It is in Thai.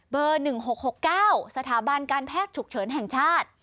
๑๖๖๙สถาบันการแพทย์ฉุกเฉินแห่งชาติ